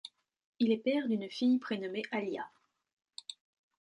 Il est père d'une fille prénommée Alya.